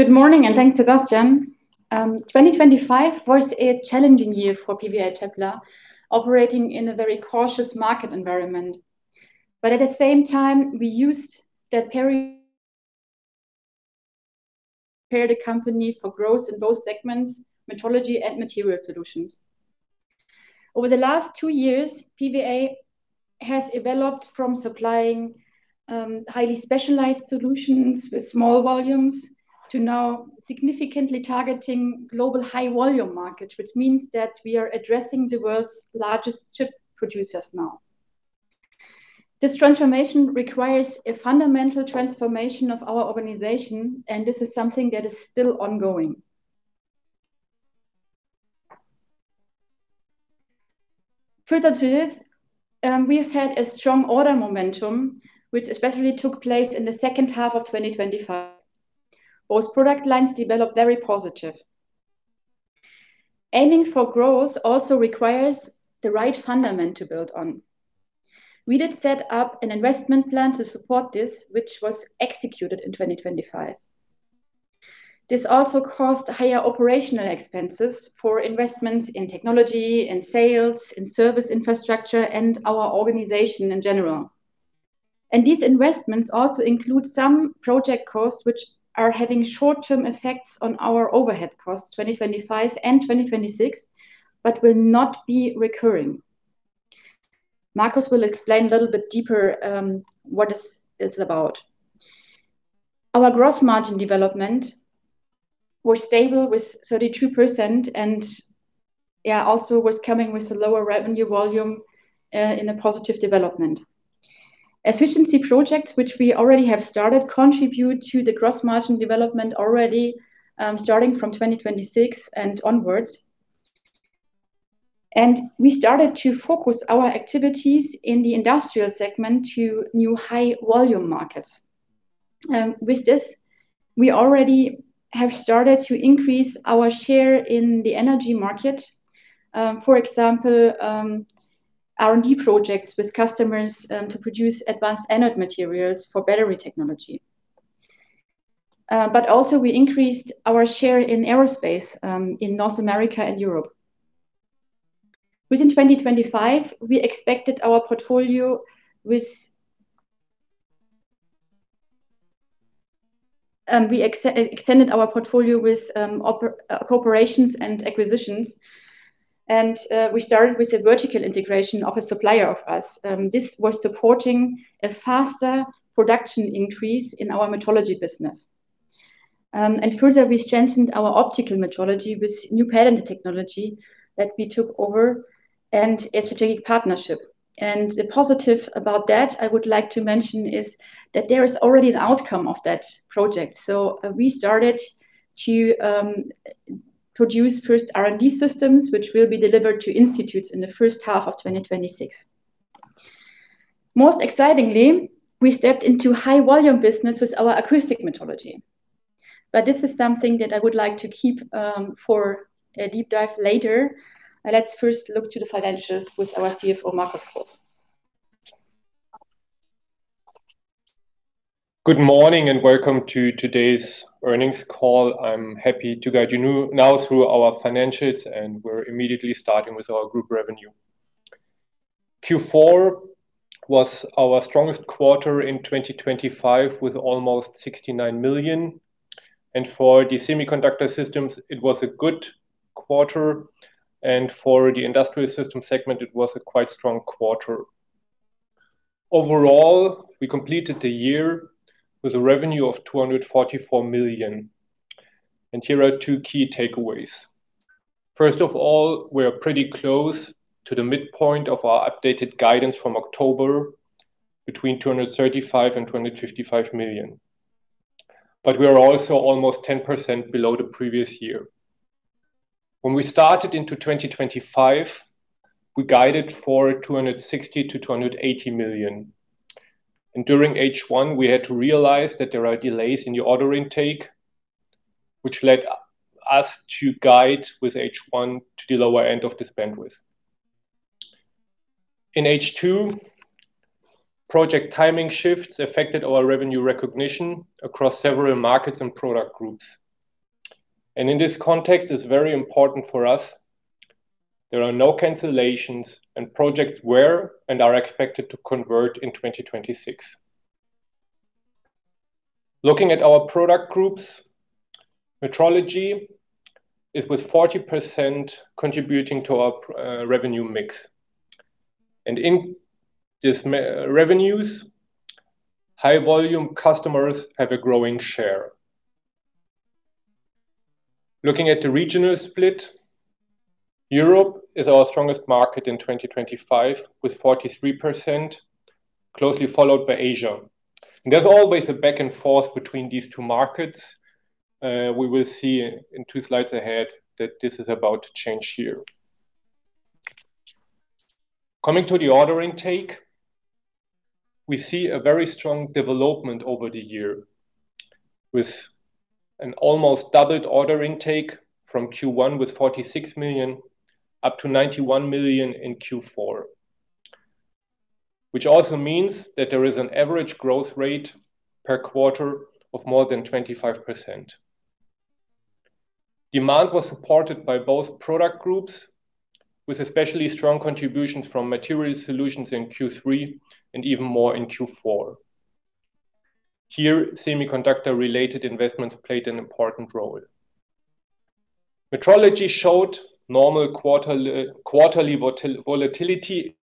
Good morning, and thanks Sebastian. 2025 was a challenging year for PVA TePla, operating in a very cautious market environment. At the same time, we used that period to prepare the company for growth in both segments, metrology and material solutions. Over the last two years, PVA has developed from supplying highly specialized solutions with small volumes to now significantly targeting global high volume markets, which means that we are addressing the world's largest chip producers now. This transformation requires a fundamental transformation of our organization, and this is something that is still ongoing. Further to this, we have had a strong order momentum which especially took place in the second half of 2025. Both product lines developed very positive. Aiming for growth also requires the right foundation to build on. We did set up an investment plan to support this, which was executed in 2025. This also caused higher operational expenses for investments in technology, in sales, in service infrastructure and our organization in general. These investments also include some project costs which are having short-term effects on our overhead costs, 2025 and 2026, but will not be recurring. Markus will explain a little bit deeper, what this is about. Our gross margin development was stable with 32% and, yeah, also was coming with a lower revenue volume, in a positive development. Efficiency projects which we already have started contribute to the gross margin development already, starting from 2026 and onwards. We started to focus our activities in the industrial segment to new high volume markets. With this, we already have started to increase our share in the energy market. For example, R&D projects with customers to produce advanced anode materials for battery technology. We increased our share in aerospace, in North America and Europe. Within 2025, we extended our portfolio with cooperations and acquisitions, and we started with a vertical integration of a supplier of ours. This was supporting a faster production increase in our metrology business. Further we strengthened our optical metrology with new patented technology that we took over and a strategic partnership. The positive about that I would like to mention is that there is already an outcome of that project. We started to produce first R&D systems which will be delivered to institutes in the first half of 2026. Most excitingly, we stepped into high volume business with our acoustic metrology. This is something that I would like to keep for a deep dive later. Let's first look to the financials with our CFO, Carl Markus Groß. Good morning, and welcome to today's earnings call. I'm happy to guide you now through our financials, and we're immediately starting with our Group revenue. Q4 was our strongest quarter in 2025 with almost 69 million. For the Semiconductor Systems, it was a good quarter, and for the Industrial Systems segment it was a quite strong quarter. Overall, we completed the year with a revenue of 244 million. Here are two key takeaways. First of all, we are pretty close to the midpoint of our updated guidance from October, between 235 million and 255 million. We are also almost 10% below the previous year. When we started into 2025, we guided for 260 million to 280 million. During H1 we had to realize that there are delays in the order intake, which led us to guide with H1 to the lower end of this bandwidth. In H2, project timing shifts affected our revenue recognition across several markets and product groups. In this context it's very important for us there are no cancellations and projects were and are expected to convert in 2026. Looking at our product groups, metrology is with 40% contributing to our revenue mix. In this revenues, high volume customers have a growing share. Looking at the regional split, Europe is our strongest market in 2025 with 43%, closely followed by Asia. There's always a back and forth between these two markets. We will see in 2 slides ahead that this is about to change here. Coming to the order intake, we see a very strong development over the year, with an almost doubled order intake from Q1 with 46 million up to 91 million in Q4, which also means that there is an average growth rate per quarter of more than 25%. Demand was supported by both product groups, with especially strong contributions from material solutions in Q3 and even more in Q4. Here, semiconductor-related investments played an important role. Metrology showed normal quarterly volatility.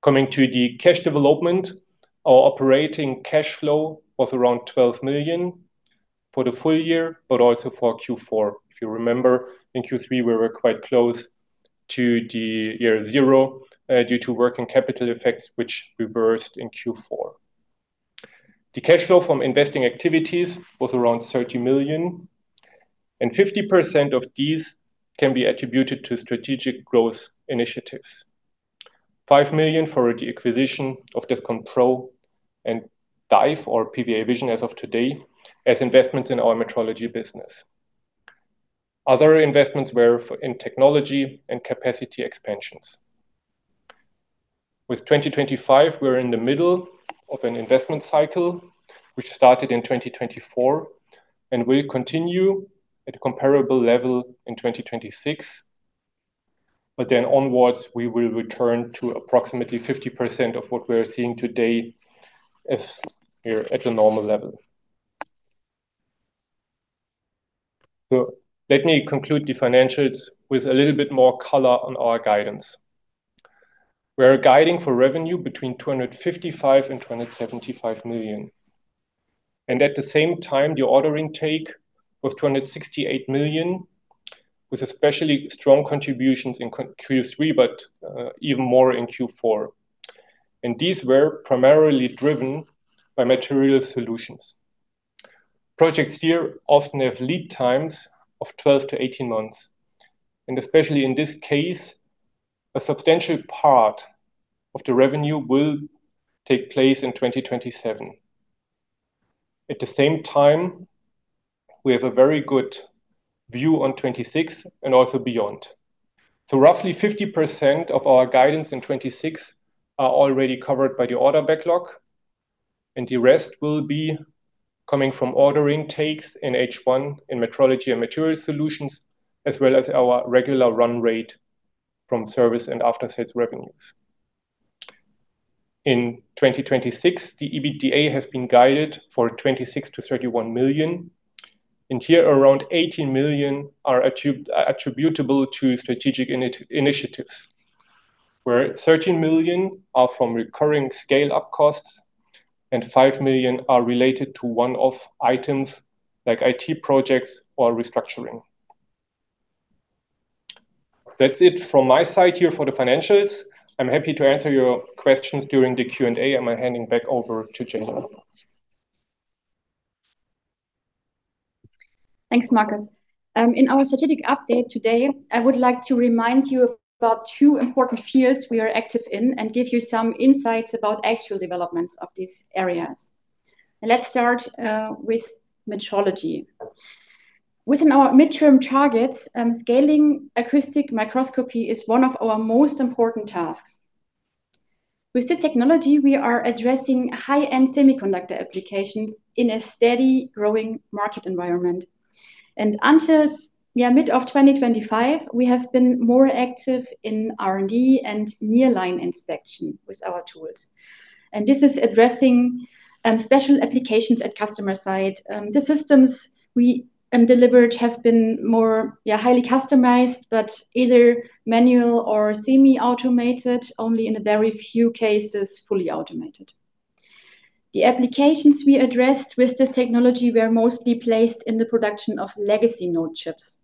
Coming to the cash development, our operating cash flow was around 12 million for the full year, but also for Q4. If you remember, in Q3 we were quite close to near zero, due to working capital effects which reversed in Q4. The cash flow from investing activities was around 30 million, and 50% of these can be attributed to strategic growth initiatives. 5 million for the acquisition of Desconpro and DIVE or PVA Vision as of today as investments in our metrology business. Other investments were in technology and capacity expansions. With 2025, we're in the middle of an investment cycle which started in 2024 and will continue at comparable level in 2026. Then onwards, we will return to approximately 50% of what we're seeing today as here at the normal level. Let me conclude the financials with a little bit more color on our guidance. We're guiding for revenue between 255 million and 275 million. At the same time, the order intake was 268 million, with especially strong contributions in Q3, but even more in Q4. These were primarily driven by material solutions. Projects here often have lead times of 12-18 months, and especially in this case, a substantial part of the revenue will take place in 2027. At the same time, we have a very good view on 2026 and also beyond. Roughly 50% of our guidance in 2026 are already covered by the order backlog, and the rest will be coming from order intakes in H1 in metrology and material solutions, as well as our regular run rate from service and aftersales revenues. In 2026, the EBITDA has been guided for 26-31 million, and here around 18 million are attributable to strategic initiatives, where 13 million are from recurring scale-up costs and 5 million are related to one-off items like IT projects or restructuring. That's it from my side here for the financials. I'm happy to answer your questions during the Q&A, and I'm handing back over to Jalin Ketter. Thanks, Markus. In our strategic update today, I would like to remind you about two important fields we are active in and give you some insights about actual developments of these areas. Let's start with metrology. Within our midterm targets, scaling acoustic microscopy is one of our most important tasks. With this technology, we are addressing high-end semiconductor applications in a steady growing market environment. Until mid-2025, we have been more active in R&D and near-line inspection with our tools. This is addressing special applications at customer site. The systems we delivered have been more highly customized, but either manual or semi-automated, only in a very few cases, fully automated. The applications we addressed with this technology were mostly placed in the production of legacy node chips,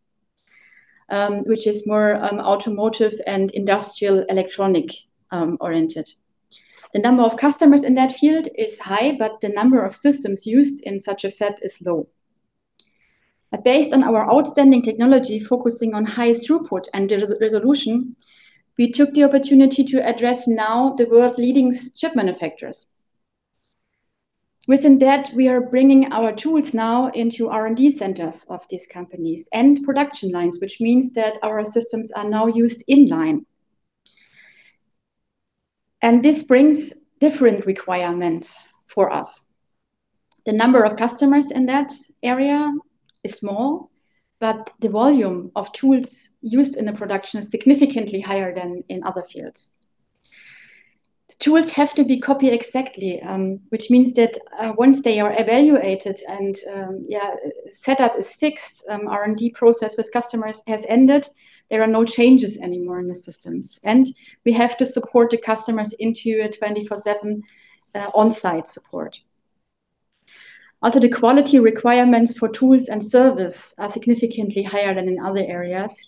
which is more automotive and industrial electronics oriented. The number of customers in that field is high, but the number of systems used in such a fab is low. Based on our outstanding technology, focusing on high throughput and resolution, we took the opportunity to now address the world-leading chip manufacturers. Within that, we are bringing our tools now into R&D centers of these companies and production lines, which means that our systems are now used in-line. This brings different requirements for us. The number of customers in that area is small, but the volume of tools used in a production is significantly higher than in other fields. The tools have to be copied exactly, which means that, once they are evaluated and set up is fixed, R&D process with customers has ended, there are no changes anymore in the systems. We have to support the customers in a 24/7 on-site support. Also, the quality requirements for tools and service are significantly higher than in other areas.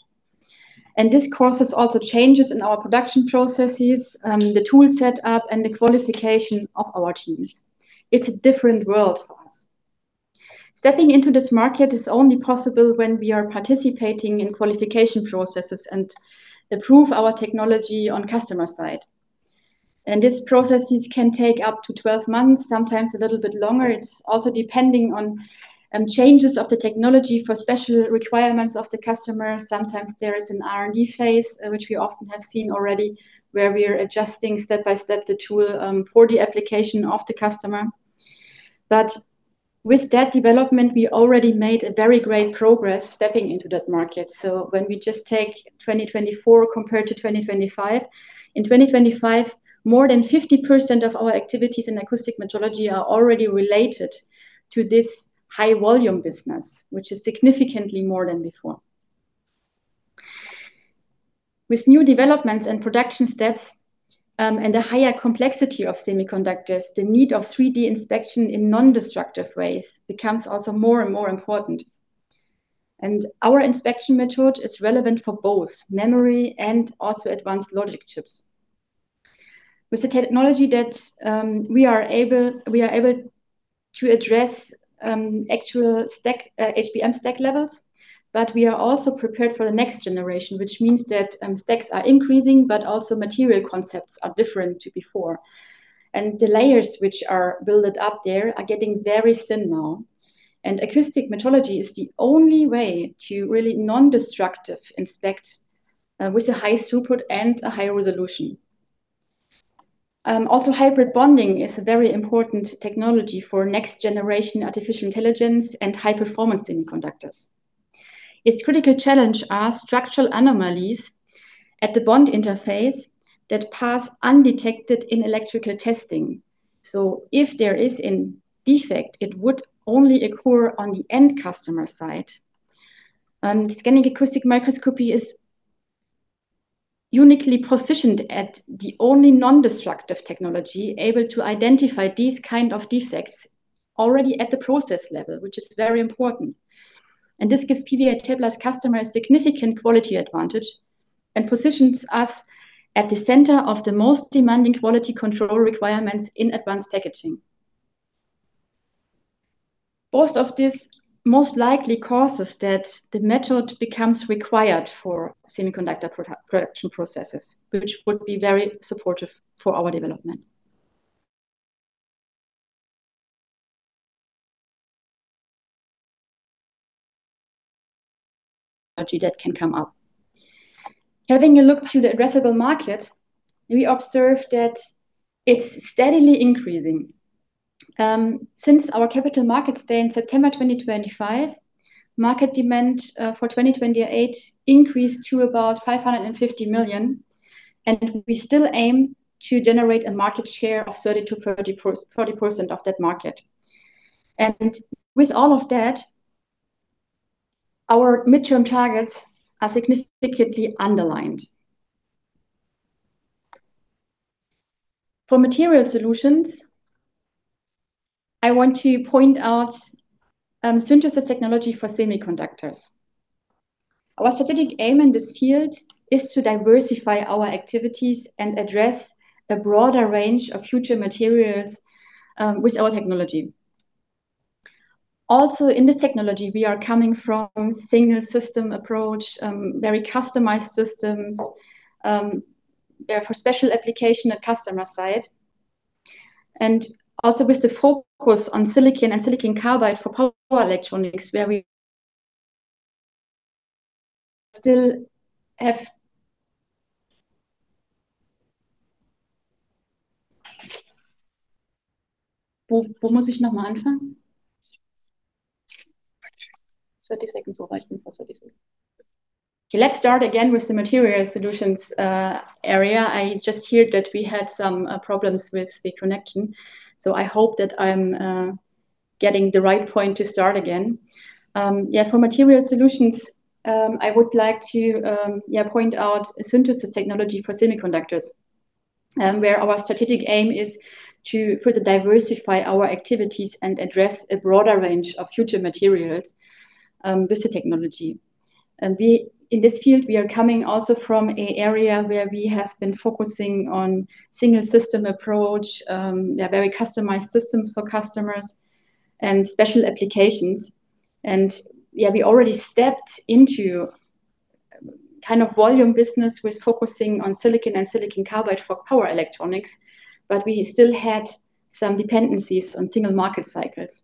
This causes also changes in our production processes, the tool set up and the qualification of our teams. It's a different world for us. Stepping into this market is only possible when we are participating in qualification processes and approve our technology on customer side. These processes can take up to 12 months, sometimes a little bit longer. It's also depending on changes of the technology for special requirements of the customer. Sometimes there is an R&D phase, which we often have seen already, where we are adjusting step-by-step the tool, for the application of the customer. With that development, we already made a very great progress stepping into that market. When we just take 2024 compared to 2025, in 2025, more than 50% of our activities in acoustic metrology are already related to this high volume business, which is significantly more than before. With new developments and production steps, and the higher complexity of semiconductors, the need of 3D inspection in non-destructive ways becomes also more and more important. Our inspection method is relevant for both memory and also advanced logic chips. With the technology that we are able to address actual stack HBM stack levels, but we are also prepared for the next generation, which means that stacks are increasing, but also material concepts are different to before. The layers which are built up there are getting very thin now, and acoustic metrology is the only way to really non-destructively inspect with a high throughput and a high resolution. Also hybrid bonding is a very important technology for next-generation artificial intelligence and high-performance semiconductors. Its critical challenges are structural anomalies at the bond interface that go undetected in electrical testing. If there is a defect, it would only occur on the end customer side. Scanning acoustic microscopy is uniquely positioned at the only non-destructive technology able to identify these kind of defects already at the process level, which is very important. This gives PVA TePla's customers significant quality advantage and positions us at the center of the most demanding quality control requirements in advanced packaging. Both of these most likely causes that the method becomes required for semiconductor production processes, which would be very supportive for our development. Technology that can come up. Having a look to the addressable market, we observed that it's steadily increasing. Since our capital markets day in September 2025, market demand for 2028 increased to about 550 million, and we still aim to generate a market share of 30%-40% of that market. With all of that, our midterm targets are significantly underlined. For material solutions, I want to point out synthesis technology for semiconductors. Our strategic aim in this field is to diversify our activities and address a broader range of future materials with our technology. Also, in this technology, we are coming from single system approach, very customized systems, yeah, for special application at customer side. Also with the focus on silicon and silicon carbide for power electronics where we still have. 30 seconds. Okay, let's start again with the material solutions area. I just heard that we had some problems with the connection, so I hope that I'm getting the right point to start again. For material solutions, I would like to point out synthesis technology for semiconductors, where our strategic aim is to further diversify our activities and address a broader range of future materials with the technology. In this field, we are coming also from an area where we have been focusing on single system approach, very customized systems for customers and special applications. Yeah, we already stepped into kind of volume business with focusing on silicon and silicon carbide for power electronics, but we still had some dependencies on single market cycles.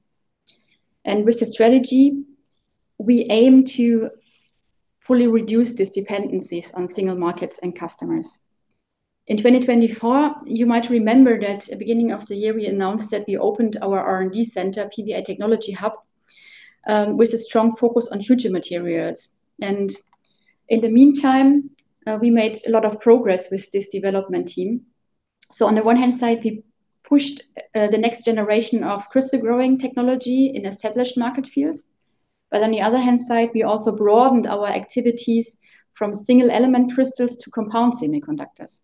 With the strategy, we aim to fully reduce these dependencies on single markets and customers. In 2024, you might remember that at beginning of the year, we announced that we opened our R&D center, PVA Technology Hub, with a strong focus on future materials. In the meantime, we made a lot of progress with this development team. On the one hand side, we pushed the next generation of crystal growing technology in established market fields. On the other hand side, we also broadened our activities from single element crystals to compound semiconductors.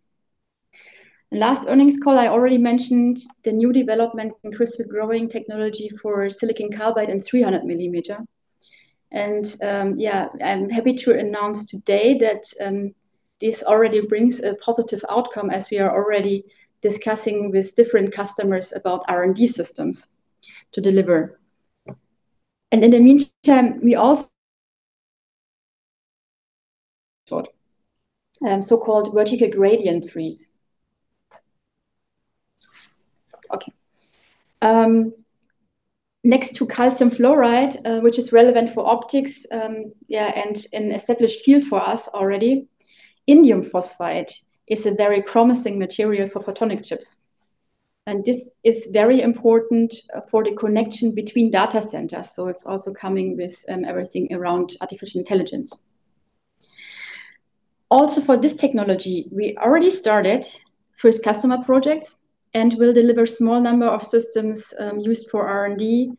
In last earnings call, I already mentioned the new developments in crystal growing technology for silicon carbide and 300 mm. I'm happy to announce today that this already brings a positive outcome as we are already discussing with different customers about R&D systems to deliver. So-called vertical gradient freeze. Next to calcium fluoride, which is relevant for optics, and an established field for us already, indium phosphide is a very promising material for photonic chips. This is very important for the connection between data centers, so it's also coming with everything around artificial intelligence. Also, for this technology, we already started first customer projects, and we'll deliver small number of systems used for R&D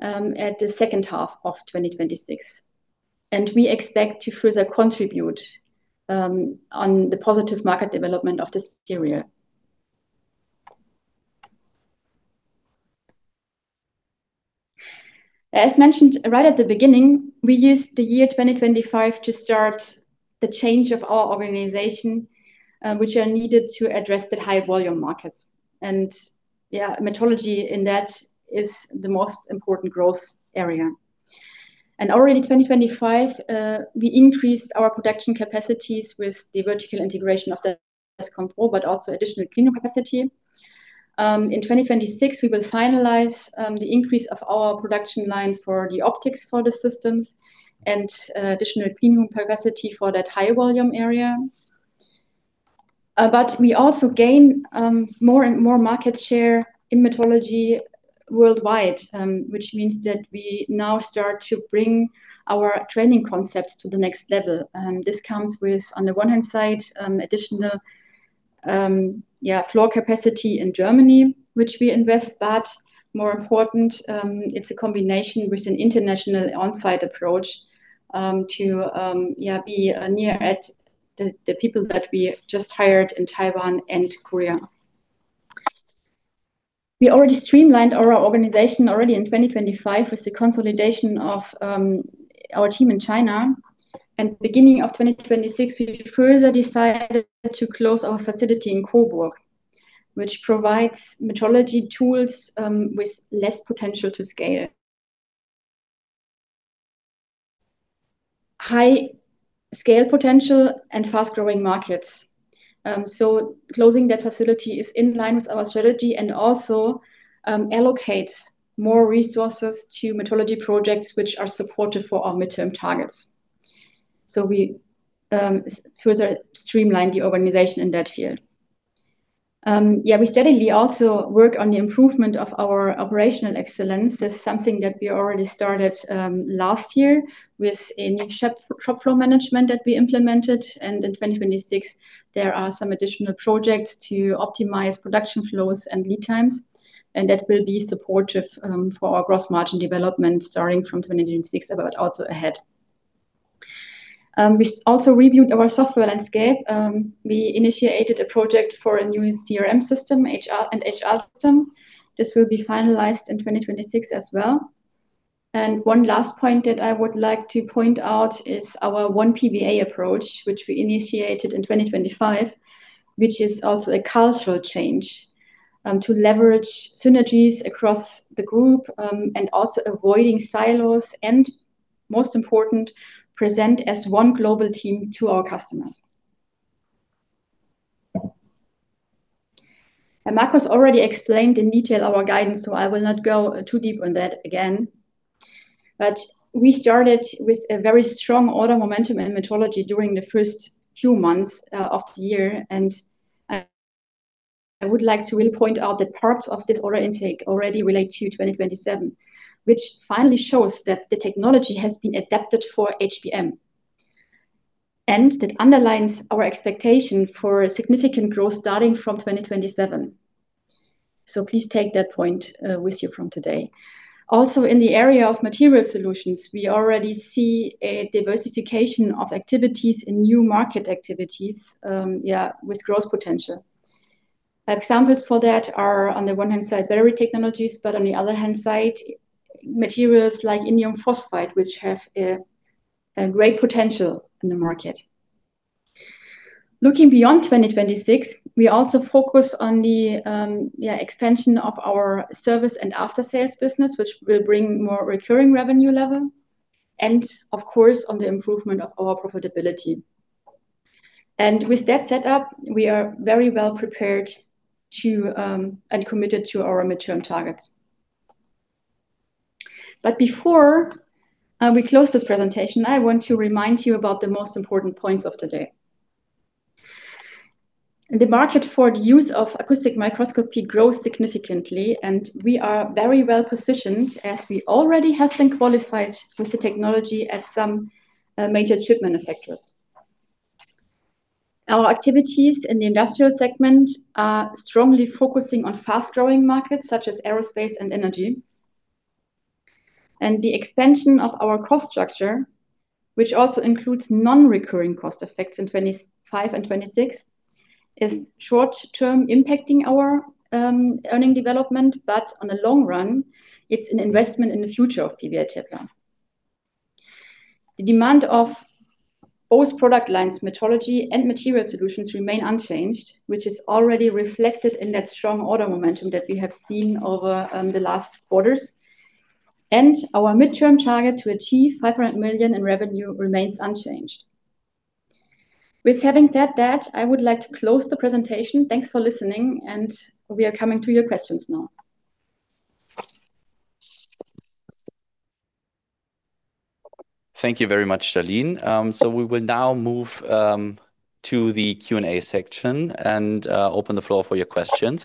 at the second half of 2026. We expect to further contribute on the positive market development of this area. As mentioned right at the beginning, we used the year 2025 to start the change of our organization, which are needed to address the high volume markets. Yeah, metrology in that is the most important growth area. Already 2025, we increased our production capacities with the vertical integration of the desconpro, but also additional clean room capacity. In 2026, we will finalize the increase of our production line for the optics for the systems and additional clean room capacity for that high volume area. We also gain more and more market share in metrology worldwide, which means that we now start to bring our training concepts to the next level. This comes with, on the one hand side, additional floor capacity in Germany, which we invest, but more important, it's a combination with an international on-site approach to be near to the people that we just hired in Taiwan and Korea. We already streamlined our organization in 2025 with the consolidation of our team in China. Beginning of 2026, we further decided to close our facility in Coburg, which provides metrology tools with less potential to scale. High scale potential and fast-growing markets. Closing that facility is in line with our strategy and also allocates more resources to metrology projects which are supportive for our midterm targets. We further streamline the organization in that field. We steadily also work on the improvement of our operational excellence. That's something that we already started last year with a new shop floor management that we implemented. In 2026, there are some additional projects to optimize production flows and lead times, and that will be supportive for our gross margin development starting from 2026, but also ahead. We also reviewed our software landscape. We initiated a project for a new CRM system, HR, an HR system. This will be finalized in 2026 as well. One last point that I would like to point out is our onePVA approach, which we initiated in 2025, which is also a cultural change, to leverage synergies across the group, and also avoiding silos, and most important, present as one global team to our customers. Markus already explained in detail our guidance, so I will not go too deep on that again. We started with a very strong order momentum in metrology during the first few months of the year. I would like to really point out that parts of this order intake already relate to 2027, which finally shows that the technology has been adapted for HBM, and it underlines our expectation for significant growth starting from 2027. Please take that point with you from today. In the area of material solutions, we already see a diversification of activities and new market activities with growth potential. Examples for that are, on the one hand side, battery technologies, but on the other hand side, materials like indium phosphide, which have a great potential in the market. Looking beyond 2026, we also focus on the expansion of our service and after-sales business, which will bring more recurring revenue level and, of course, on the improvement of our profitability. With that set up, we are very well prepared to and committed to our midterm targets. Before we close this presentation, I want to remind you about the most important points of today. The market for the use of acoustic microscopy grows significantly, and we are very well positioned as we already have been qualified with the technology at some major chip manufacturers. Our activities in the industrial segment are strongly focusing on fast-growing markets such as aerospace and energy. The expansion of our cost structure, which also includes non-recurring cost effects in 2025 and 2026, is short-term impacting our earnings development, but on the long run, it's an investment in the future of PVA TePla. The demand of both product lines, metrology and material solutions, remain unchanged, which is already reflected in that strong order momentum that we have seen over the last quarters. Our midterm target to achieve 500 million in revenue remains unchanged. With having said that, I would like to close the presentation. Thanks for listening, and we are coming to your questions now. Thank you very much, Jalin Ketter. We will now move to the Q&A section and open the floor for your questions.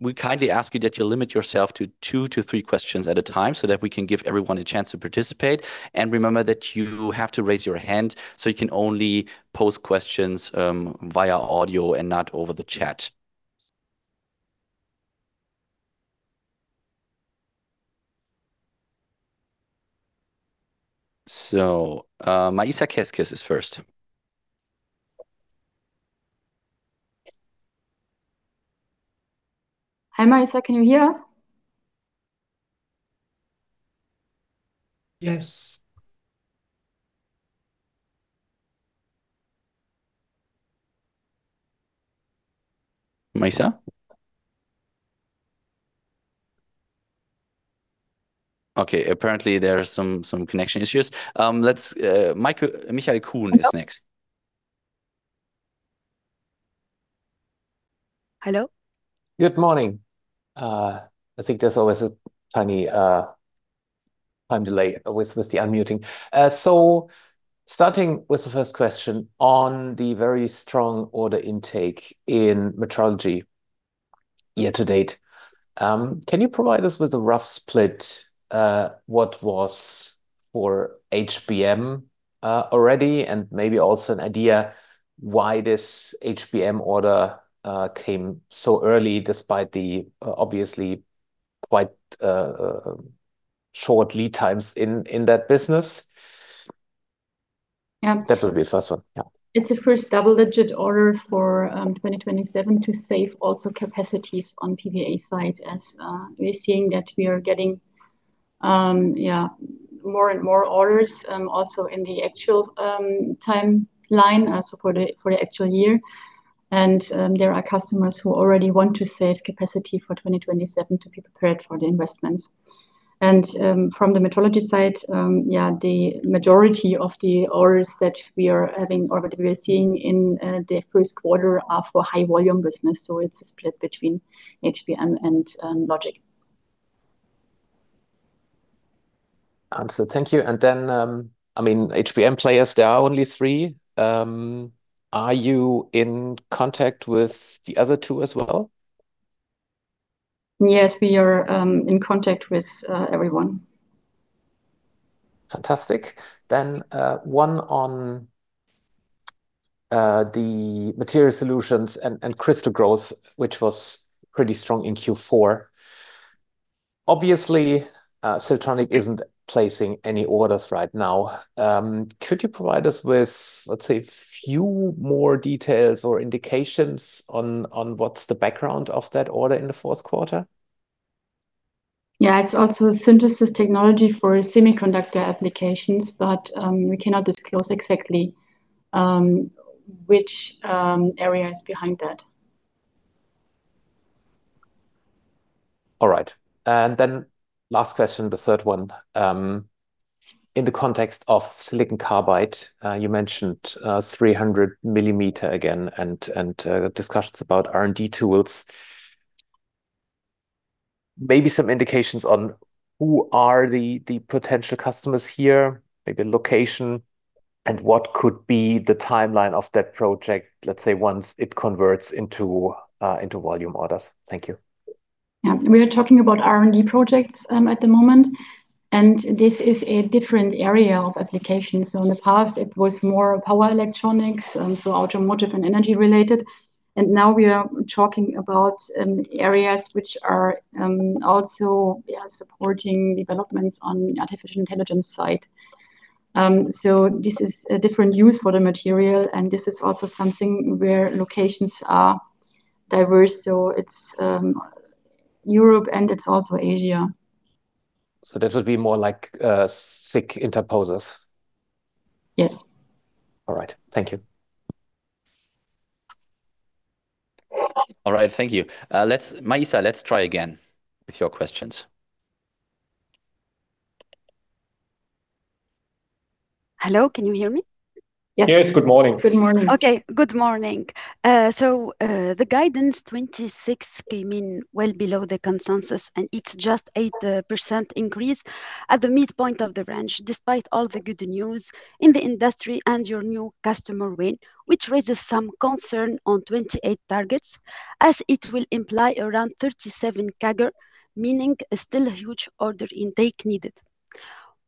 We kindly ask you that you limit yourself to 2-3 questions at a time so that we can give everyone a chance to participate. Remember that you have to raise your hand, so you can only pose questions via audio and not over the chat. Maissa Keskes is first. Hi, Maissa, can you hear us? Yes. Maissa? Okay, apparently there are some connection issues. Michael Kuhn is next. Hello? Good morning. I think there's always a tiny time delay with the unmuting. Starting with the first question on the very strong order intake in metrology year to date, can you provide us with a rough split, what was for HBM already and maybe also an idea why this HBM order came so early despite the obviously quite short lead times in that business? Yeah. That will be the first one. Yeah. It's the first double-digit order for 2027 to save also capacities on PVA side as we're seeing that we are getting yeah, more and more orders also in the actual timeline so for the actual year. There are customers who already want to save capacity for 2027 to be prepared for the investments. From the metrology side, yeah, the majority of the orders that we are having or that we are seeing in the first quarter are for high volume business, so it's a split between HBM and Logic. Answered. Thank you. I mean, HBM players, there are only three. Are you in contact with the other two as well? Yes, we are in contact with everyone. Fantastic. One on the material solutions and crystal growth, which was pretty strong in Q4. Obviously, Siltronic isn't placing any orders right now. Could you provide us with, let's say, few more details or indications on what's the background of that order in the fourth quarter? Yeah. It's also synthesis technology for semiconductor applications, but we cannot disclose exactly which area is behind that. All right. Last question, the third one. In the context of silicon carbide, you mentioned 300mm again and discussions about R&D tools. Maybe some indications on who are the potential customers here, maybe location, and what could be the timeline of that project, let's say, once it converts into volume orders. Thank you. Yeah. We are talking about R&D projects at the moment, and this is a different area of application. In the past it was more power electronics, so automotive and energy related, and now we are talking about areas which are also, yeah, supporting developments on the artificial intelligence side. This is a different use for the material, and this is also something where locations are diverse. It's Europe, and it's also Asia. That would be more like SiC interposers? Yes. All right. Thank you. All right. Thank you. Maissa, let's try again with your questions. Hello, can you hear me? Yes. Good morning. Good morning. Okay. Good morning. The guidance 2026 came in well below the consensus, and it's just 8% increase at the midpoint of the range despite all the good news in the industry and your new customer win, which raises some concern on 2028 targets as it will imply around 37% CAGR, meaning a still huge order intake needed.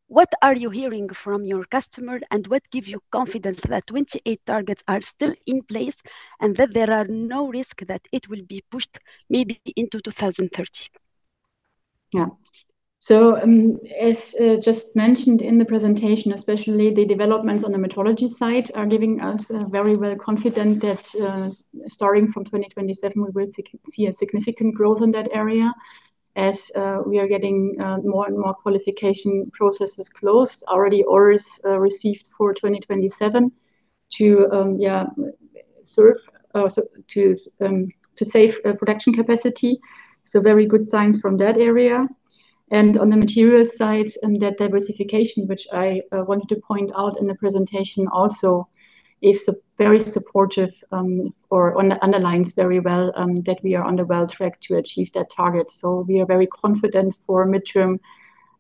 What are you hearing from your customer, and what give you confidence that 2028 targets are still in place and that there are no risk that it will be pushed maybe into 2030? Yeah. As just mentioned in the presentation, especially the developments on the metrology side are giving us very well confident that, starting from 2027, we will see a significant growth in that area as we are getting more and more qualification processes closed. Already orders received for 2027 to save production capacity. Very good signs from that area. On the material side, that diversification, which I wanted to point out in the presentation also is very supportive, or underlines very well, that we are on the well track to achieve that target. We are very confident for midterm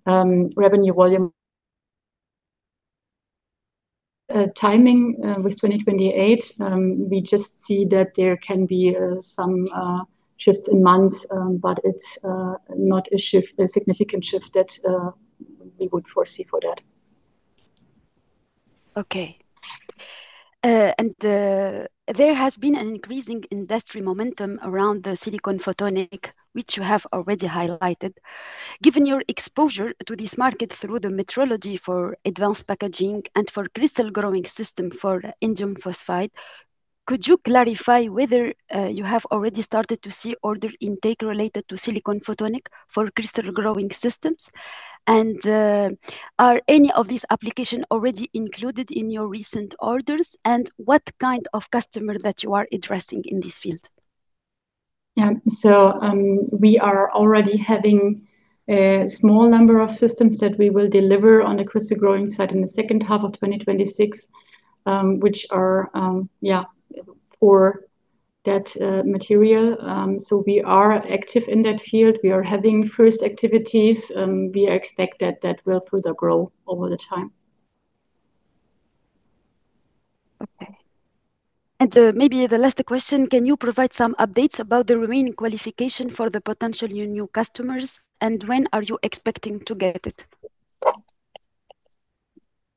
revenue volume. Timing with 2028, we just see that there can be some shifts in months, but it's not a shift, a significant shift that we would foresee for that. Okay. There has been an increasing industry momentum around the silicon photonics, which you have already highlighted. Given your exposure to this market through the metrology for advanced packaging and for crystal growing system for indium phosphide, could you clarify whether you have already started to see order intake related to silicon photonics for crystal growing systems? Are any of these application already included in your recent orders, and what kind of customer that you are addressing in this field? We are already having a small number of systems that we will deliver on the crystal growing side in the second half of 2026, which are for that material. We are active in that field. We are having first activities. We expect that will further grow over the time. Okay. Maybe the last question, can you provide some updates about the remaining qualification for the potential your new customers, and when are you expecting to get it?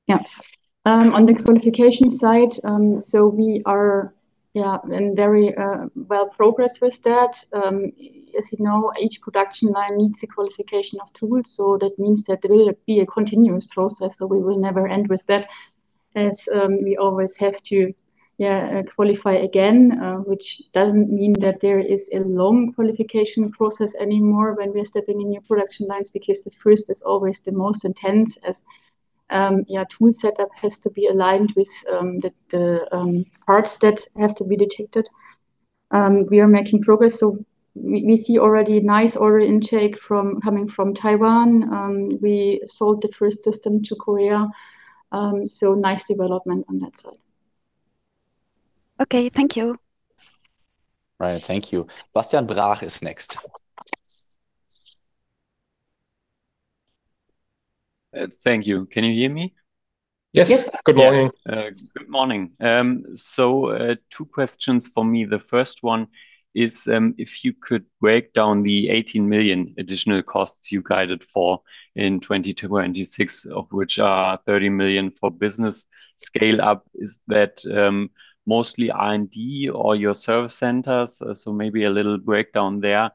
Yeah. On the qualification side, we are, yeah, in very well progressed with that. As you know, each production line needs a qualification of tools. That means that there will be a continuous process. We will never end with that as we always have to, yeah, qualify again. Which doesn't mean that there is a long qualification process anymore when we are stepping in new production lines, because the first is always the most intense as, yeah, tool setup has to be aligned with the parts that have to be detected. We are making progress, so we see already nice order intake coming from Taiwan. We sold the first system to Korea. Nice development on that side. Okay. Thank you. Right. Thank you. Bastian Brach is next. Thank you. Can you hear me? Yes. Yes. Good morning. Good morning. Two questions for me. The first one is, if you could break down the 18 million additional costs you guided for in 2026, of which are 30 million for business scale up. Is that mostly R&D or your service centers? Maybe a little breakdown there.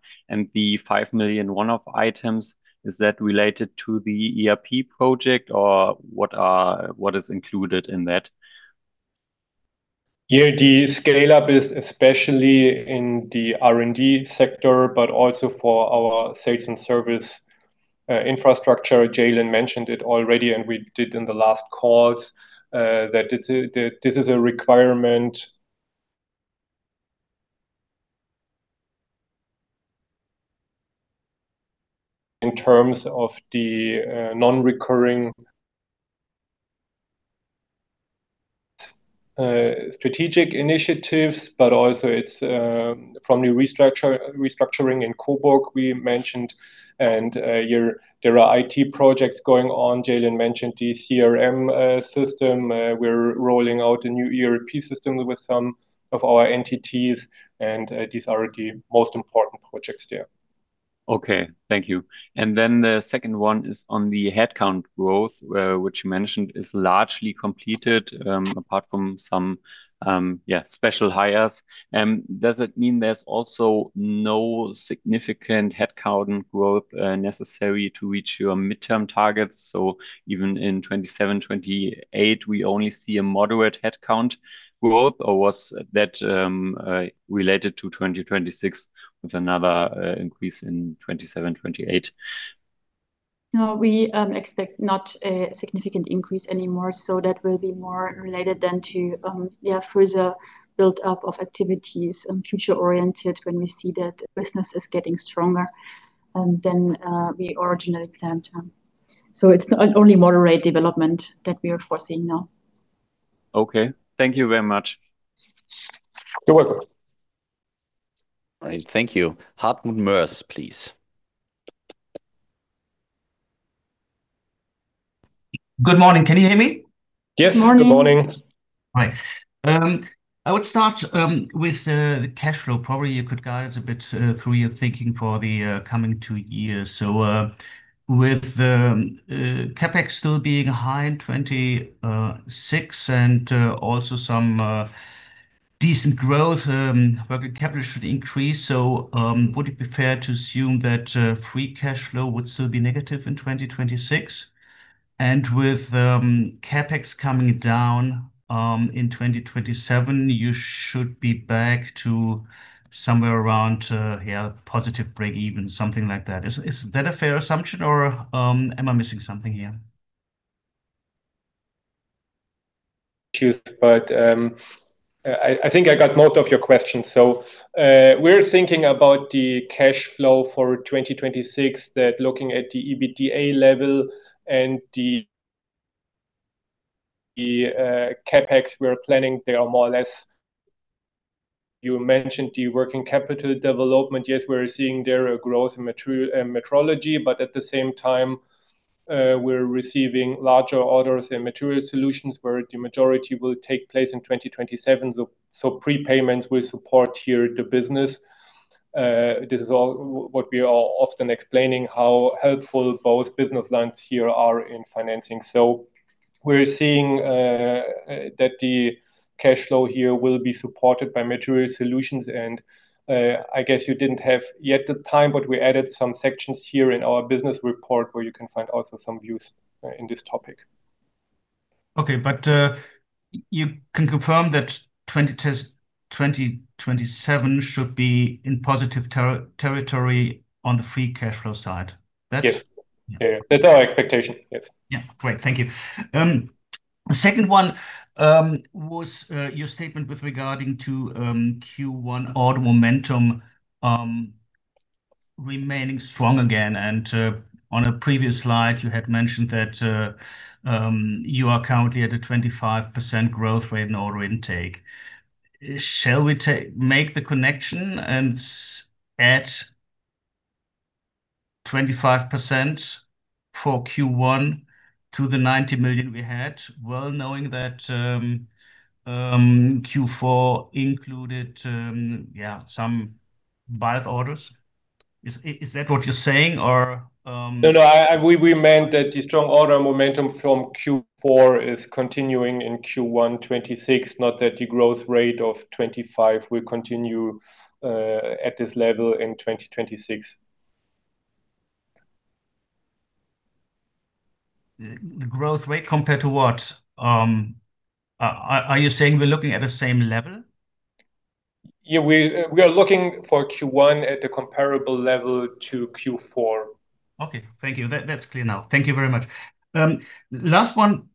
The 5 million one-off items, is that related to the ERP project or what is included in that? Yeah. The scale-up is especially in the R&D sector, but also for our sales and service infrastructure. Jalin mentioned it already, and we did in the last calls that this is a requirement in terms of the non-recurring strategic initiatives, but also it's from the restructuring in Coburg we mentioned. There are IT projects going on. Jalin mentioned the CRM system. We're rolling out a new ERP system with some of our entities, and these are the most important projects there. Okay. Thank you. Then the second one is on the headcount growth, which you mentioned is largely completed, apart from some special hires. Does it mean there's also no significant headcount growth necessary to reach your midterm targets? Even in 2027, 2028, we only see a moderate headcount growth, or was that related to 2026 with another increase in 2027, 2028? No, we expect not a significant increase anymore. That will be more related then to, yeah, further build-up of activities and future-oriented when we see that business is getting stronger than we originally planned. It's only moderate development that we are foreseeing now. Okay. Thank you very much. You're welcome. All right. Thank you. Hartmut Moers, please. Good morning. Can you hear me? Yes. Good morning. Good morning. Right. I would start with the cash flow. Probably you could guide us a bit through your thinking for the coming two years. With the CapEx still being high in 2026 and also some decent growth, working capital should increase. Would it be fair to assume that free cash flow would still be negative in 2026? With CapEx coming down in 2027, you should be back to somewhere around yeah, positive break even, something like that. Is that a fair assumption or am I missing something here? I think I got most of your questions. We're thinking about the cash flow for 2026, that's looking at the EBITDA level and the CapEx we are planning, they are more or less. You mentioned the working capital development. Yes, we're seeing there a growth in metrology, but at the same time, we're receiving larger orders in material solutions where the majority will take place in 2027. Prepayments will support here the business. This is all what we are often explaining how helpful both business lines here are in financing. We're seeing that the cash flow here will be supported by material solutions and, I guess you didn't have yet the time, but we added some sections here in our business report where you can find also some views in this topic. You can confirm that 2027 should be in positive territory on the free cash flow side? Yes. Yeah. That's our expectation. Yes. Yeah. Great. Thank you. The second one was your statement regarding Q1 order momentum remaining strong again. On a previous slide you had mentioned that you are currently at a 25% growth rate in order intake. Shall we make the connection and add 25% for Q1 to the 90 million we had, well knowing that Q4 included some bulk orders? Is that what you're saying or No, no. We meant that the strong order momentum from Q4 is continuing in Q1 2026, not that the growth rate of 25% will continue at this level in 2026. The growth rate compared to what? Are you saying we're looking at the same level? Yeah. We are looking for Q1 at a comparable level to Q4. Okay. Thank you. That's clear now. Thank you very much. Last one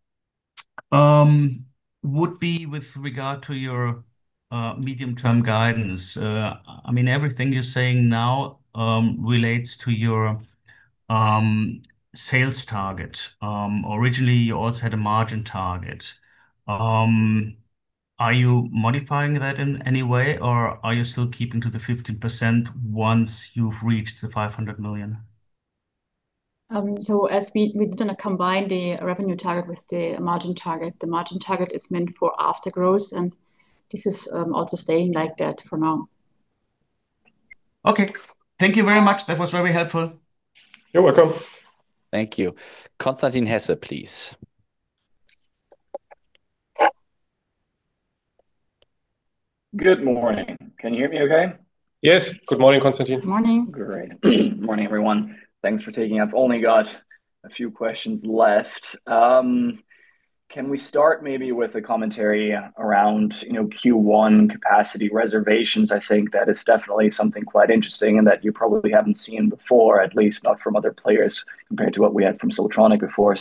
would be with regard to your medium term guidance. I mean, everything you're saying now relates to your sales target. Originally you also had a margin target. Are you modifying that in any way or are you still keeping to the 15% once you've reached the 500 million? We didn't combine the revenue target with the margin target. The margin target is meant for after growth, and this is also staying like that for now. Okay. Thank you very much. That was very helpful. You're welcome. Thank you. Constantin Hesse, please. Good morning. Can you hear me okay? Yes. Good morning, Constantin. Morning. Great. Morning, everyone. Thanks for taking. I've only got a few questions left. Can we start maybe with a commentary around, you know, Q1 capacity reservations? I think that is definitely something quite interesting and that you probably haven't seen before, at least not from other players compared to what we had from Siltronic before.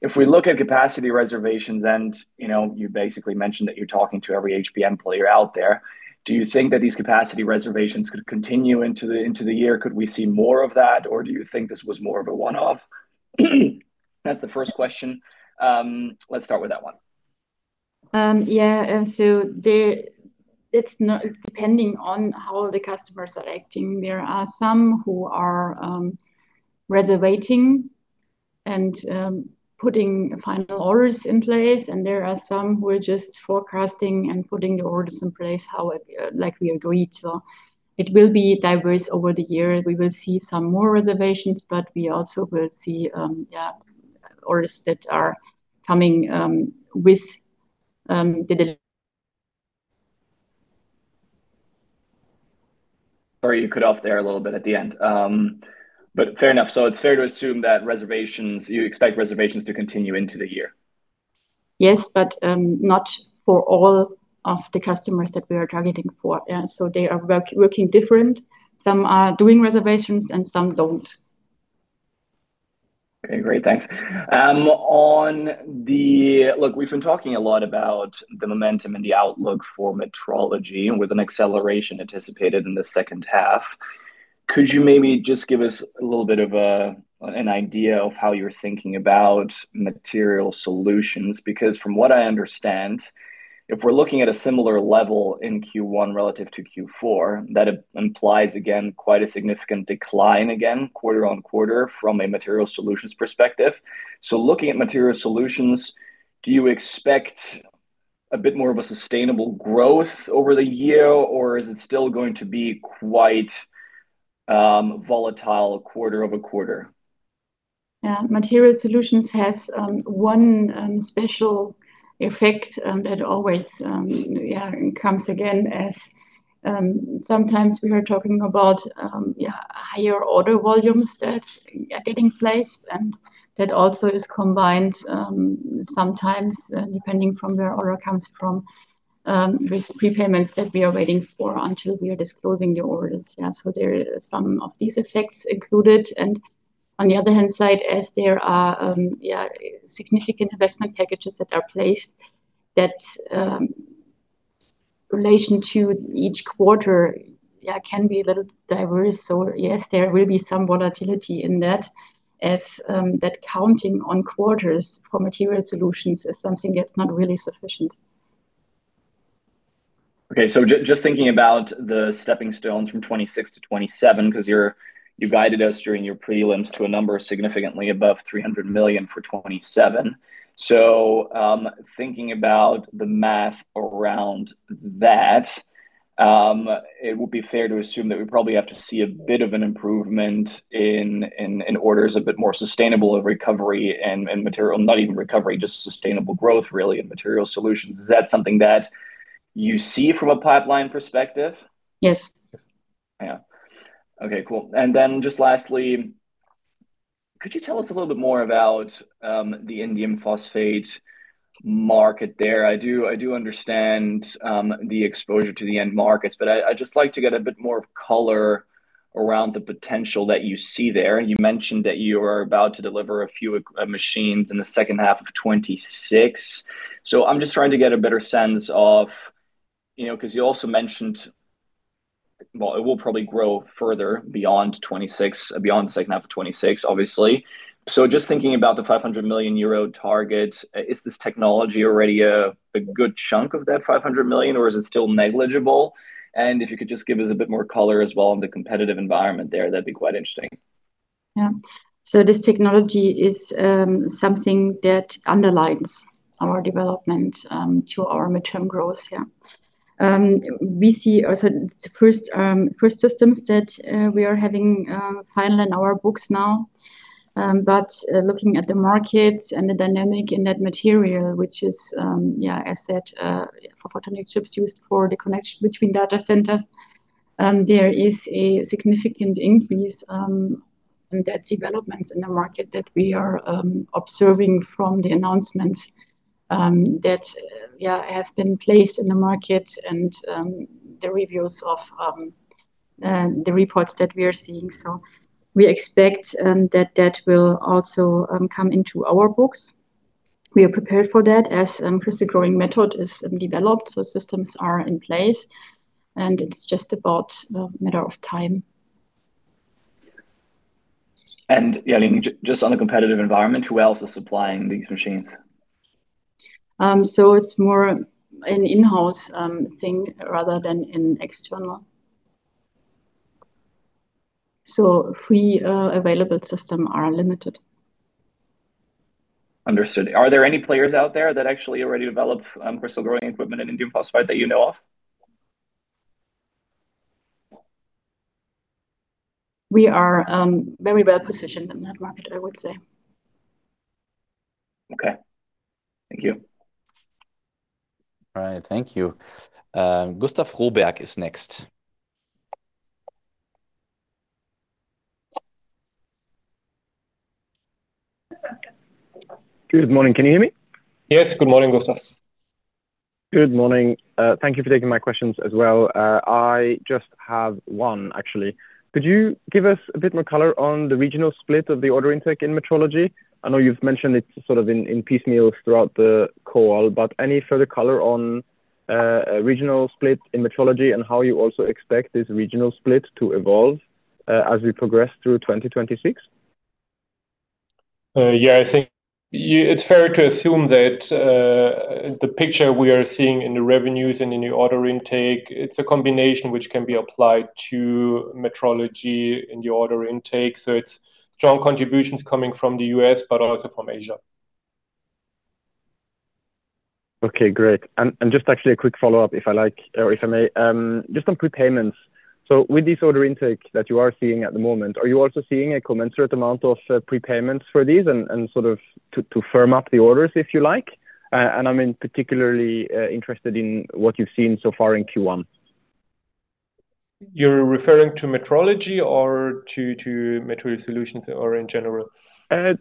If we look at capacity reservations and, you know, you basically mentioned that you're talking to every HBM player out there. Do you think that these capacity reservations could continue into the year? Could we see more of that, or do you think this was more of a one-off? That's the first question. Let's start with that one. It's not depending on how the customers are acting. There are some who are reserving and putting final orders in place, and there are some who are just forecasting and putting the orders in place how, like we agreed. It will be diverse over the year. We will see some more reservations, but we also will see orders that are coming. Sorry, you cut off there a little bit at the end. Fair enough. It's fair to assume you expect reservations to continue into the year. Yes, not for all of the customers that we are targeting for. Yeah, they are working different. Some are doing reservations and some don't. Okay. Great. Thanks. Look, we've been talking a lot about the momentum and the outlook for metrology and with an acceleration anticipated in the second half. Could you maybe just give us a little bit of a, an idea of how you're thinking about material solutions? Because from what I understand, if we're looking at a similar level in Q1 relative to Q4, that implies again, quite a significant decline again, quarter-over-quarter from a material solutions perspective. Looking at material solutions, do you expect a bit more of a sustainable growth over the year, or is it still going to be quite volatile quarter-over-quarter? Material Solutions has one special effect that always comes again as sometimes we are talking about higher order volumes that are getting placed, and that also is combined sometimes depending from where order comes from with prepayments that we are waiting for until we are disclosing the orders. There are some of these effects included. On the other hand side, as there are significant investment packages that are placed, that relation to each quarter can be a little diverse. Yes, there will be some volatility in that as that counting on quarters for Material Solutions is something that's not really sufficient. Just thinking about the stepping stones from 2026 to 2027, because you guided us during your prelims to a number significantly above 300 million for 2027. Thinking about the math around that, it would be fair to assume that we probably have to see a bit of an improvement in orders, a bit more sustainable recovery and material. Not even recovery, just sustainable growth really in material solutions. Is that something that you see from a pipeline perspective? Yes. Yeah. Okay, cool. Just lastly, could you tell us a little bit more about the indium phosphide market there? I do understand the exposure to the end markets, but I'd just like to get a bit more color around the potential that you see there. You mentioned that you are about to deliver a few machines in the second half of 2026. I'm just trying to get a better sense of, you know, because you also mentioned, well, it will probably grow further beyond 2026, beyond the second half of 2026, obviously. Just thinking about the 500 million euro target, is this technology already a good chunk of that 500 million or is it still negligible? If you could just give us a bit more color as well on the competitive environment there, that'd be quite interesting. Yeah. This technology is something that underlines our development to our midterm growth. Yeah. We see also the first systems that we are having finally in our books now. Looking at the markets and the dynamics in that material, which is, as said, for photonic chips used for the connection between data centers, there is a significant increase in those developments in the market that we are observing from the announcements that have been placed in the market and the results of the reports that we are seeing. We expect that will also come into our books. We are prepared for that as crystal growing method is developed, so systems are in place, and it's just about a matter of time. Jalin, just on the competitive environment, who else is supplying these machines? It's more an in-house thing rather than an external. Freely available systems are limited. Understood. Are there any players out there that actually already develop crystal growing equipment and indium phosphide that you know of? We are, very well-positioned in that market, I would say. Okay. Thank you. All right. Thank you. Gustav Froberg is next. Good morning. Can you hear me? Yes. Good morning, Gustav. Good morning. Thank you for taking my questions as well. I just have one, actually. Could you give us a bit more color on the regional split of the order intake in metrology? I know you've mentioned it sort of in piecemeal throughout the call, but any further color on a regional split in metrology and how you also expect this regional split to evolve as we progress through 2026? Yeah. I think it's fair to assume that, the picture we are seeing in the revenues and in the order intake, it's a combination which can be applied to metrology in the order intake. It's strong contributions coming from the U.S., but also from Asia. Okay, great. Just actually a quick follow-up if I like or if I may, just on prepayments. With this order intake that you are seeing at the moment, are you also seeing a commensurate amount of prepayments for these and sort of to firm up the orders, if you like? I'm particularly interested in what you've seen so far in Q1. You're referring to metrology or to material solutions or in general? It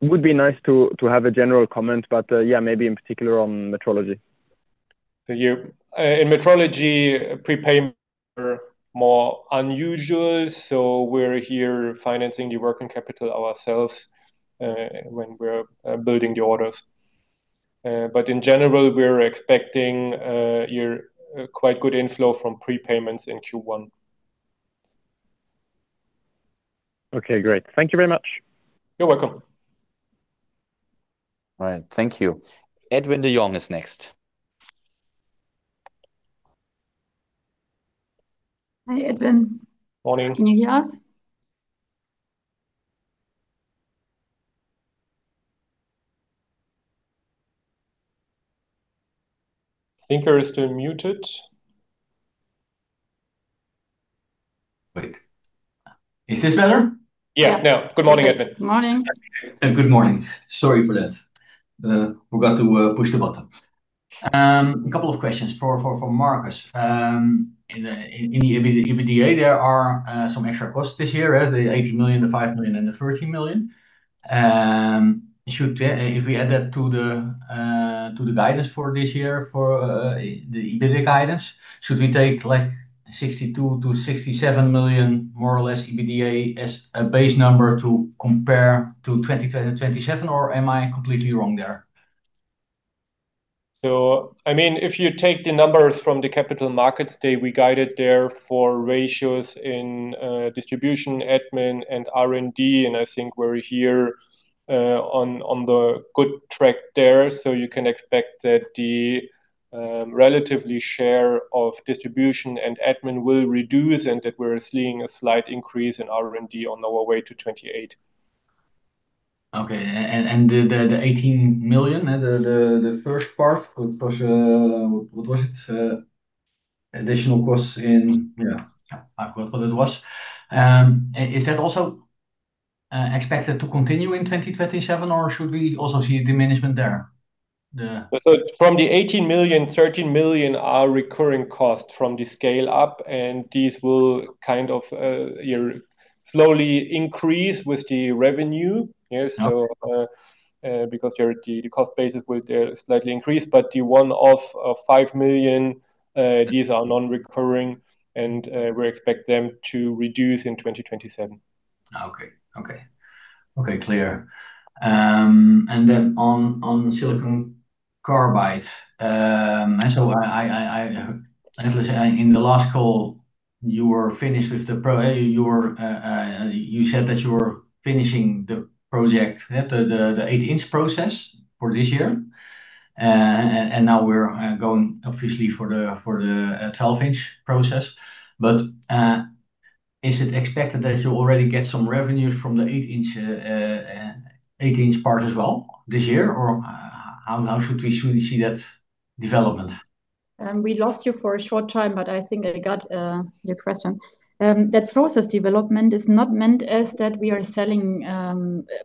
would be nice to have a general comment, but yeah, maybe in particular on metrology. In metrology, prepayments are more unusual, so we're financing the working capital ourselves when we're building the orders. In general, we're expecting a quite good inflow from prepayments in Q1. Okay, great. Thank you very much. You're welcome. All right. Thank you. Edwin de Jong is next. Hi, Edwin. Morning. Can you hear us? I think you're still muted. Wait. Is this better? Yeah. Yeah. Now. Good morning, Edwin. Morning. Good morning. Sorry for that. Forgot to push the button. A couple of questions from Markus. In the EBITDA, there are some extra costs this year, the 80 million, the 5 million and the 13 million. If we add that to the guidance for this year for the EBITDA guidance, should we take like 62 million-67 million more or less EBITDA as a base number to compare to 2027, or am I completely wrong there? I mean, if you take the numbers from the Capital Markets Day, we guided there for ratios in distribution, admin and R&D, and I think we're here on the good track there. You can expect that the relative share of distribution and admin will reduce and that we're seeing a slight increase in R&D on our way to 28. Okay. The 18 million, the first part was, what was it? Additional costs in. Yeah. Yeah, I forgot what it was. Is that also expected to continue in 2027 or should we also see a diminishment there? From the 18 million, 13 million are recurring costs from the scale up, and these will kind of slowly increase with the revenue. Yeah. Okay. because the cost base will slightly increase, but the one-off of 5 million, these are non-recurring, and we expect them to reduce in 2027. Okay, clear. Then on silicon carbide, let's say in the last call, you said that you were finishing the project, yeah, the 8-inch process for this year. Now we're going obviously for the 12-inch process. Is it expected that you already get some revenues from the 8-inch part as well this year? How now should we see that development? We lost you for a short time, but I think I got your question. That process development is not meant as that we are selling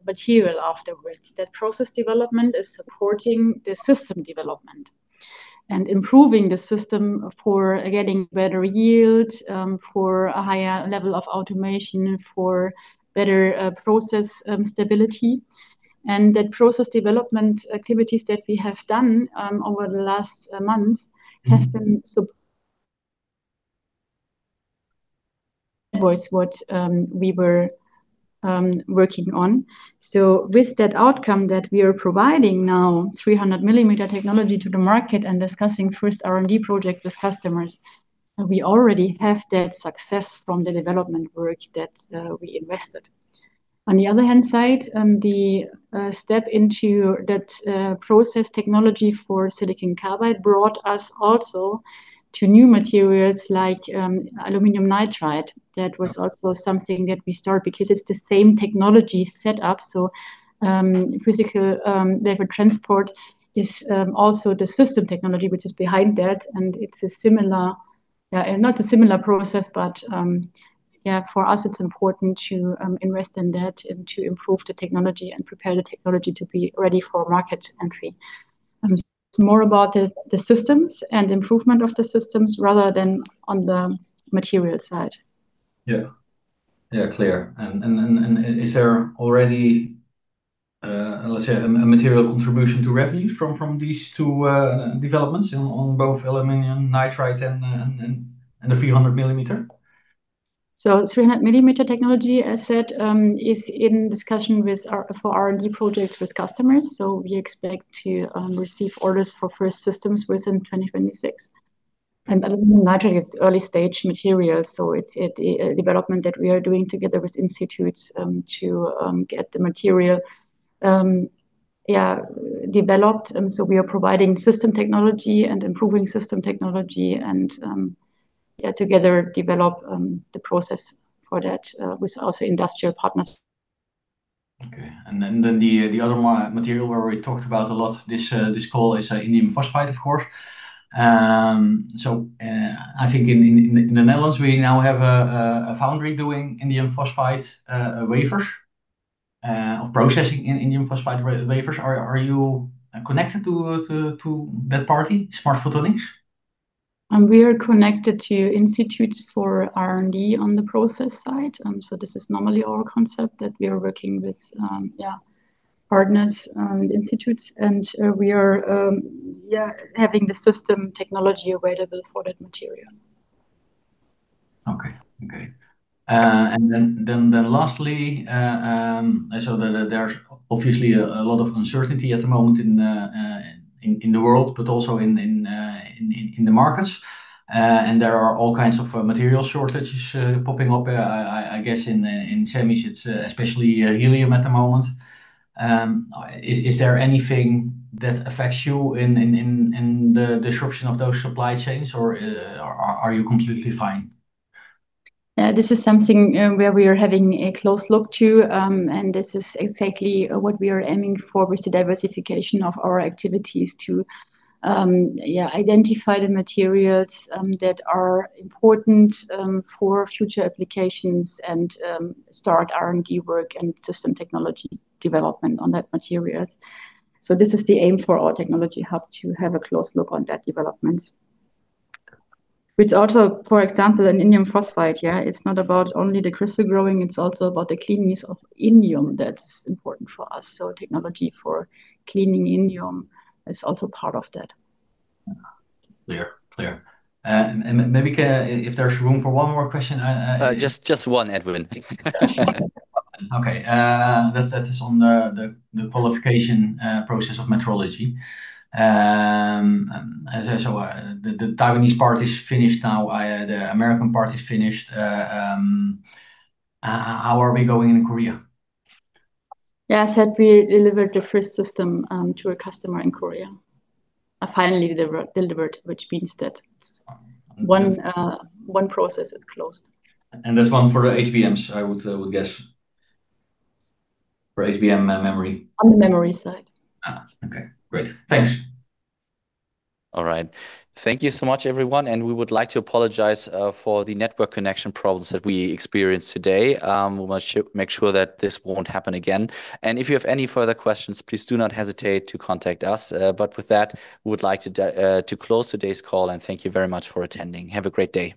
material afterwards. That process development is supporting the system development, and improving the system for getting better yields, for a higher level of automation, for better process stability. The process development activities that we have done over the last months. Mm-hmm was what we were working on. With that outcome that we are providing now 300 millimeter technology to the market and discussing first R&D project with customers, we already have that success from the development work that we invested. On the other hand side, the step into that process technology for silicon carbide brought us also to new materials like aluminum nitride. That was also something that we start because it's the same technology set up. Physical vapor transport is also the system technology which is behind that, and it's a similar. Yeah, not a similar process, but yeah, for us it's important to invest in that and to improve the technology and prepare the technology to be ready for market entry. It's more about the systems and improvement of the systems rather than on the material side. Yeah, clear. Is there already, let's say, a material contribution to revenues from these two developments on both aluminum nitride and the 300 millimeter? 300mm technology, as said, is in discussion for R&D projects with customers, so we expect to receive orders for first systems within 2026. Aluminum nitride is early-stage material, so it's a development that we are doing together with institutes to get the material developed. We are providing system technology and improving system technology and together develop the process for that with also industrial partners. Okay. The other material where we talked about a lot this call is indium phosphide, of course. I think in the Netherlands, we now have a foundry doing indium phosphide wafers or processing in indium phosphide wafers. Are you connected to that party, SMART Photonics? We are connected to institutes for R&D on the process side. This is normally our concept that we are working with partners, institutes. We are having the system technology available for that material. Lastly, there's obviously a lot of uncertainty at the moment in the world, but also in the markets. There are all kinds of material shortages popping up. I guess in semis it's especially helium at the moment. Is there anything that affects you in the disruption of those supply chains, or are you completely fine? This is something where we are having a close look to, and this is exactly what we are aiming for with the diversification of our activities to identify the materials that are important for future applications and start R&D work and system technology development on that materials. This is the aim for our technology hub to have a close look on that developments. Which also, for example, an indium phosphide, it's not about only the crystal growing, it's also about the cleanness of indium that's important for us. Technology for cleaning indium is also part of that. Yeah. Clear. If there's room for one more question, I Just one, Edwin. Just one. Okay. That is on the qualification process of metrology. As I said, the Taiwanese part is finished now. The American part is finished. How are we going in Korea? Yeah, as said, we delivered the first system to a customer in Korea. Finally delivered, which means that it's one process is closed. That's one for the HVMs, I would guess. For HVM, memory. On the memory side. Okay. Great. Thanks. All right. Thank you so much, everyone, and we would like to apologize for the network connection problems that we experienced today. We want to make sure that this won't happen again. If you have any further questions, please do not hesitate to contact us. With that, we would like to close today's call, and thank you very much for attending. Have a great day.